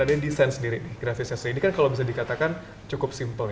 adi desain grafisnya sendiri ini kan kalau bisa dikatakan cukup simple